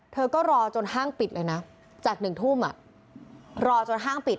เธอก็รอจนห้างปิดเลยนะจาก๑ทุ่มรอจนห้างปิด